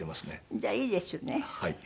じゃあいいですよね。